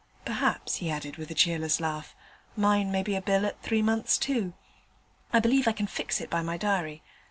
'Perhaps,' he added, with a cheerless laugh, 'mine may be a bill at three months too. I believe I can fix it by my diary.